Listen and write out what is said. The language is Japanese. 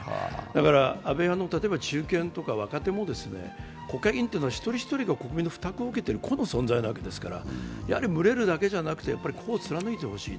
だから、安倍派の中堅とか若手も国会議員というのは１人１人が国民の負託を受けているわけで、群れるだけじゃなくて、個を貫いてほしい。